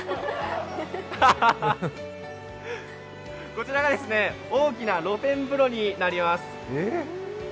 こちらが大きな露天風呂になります。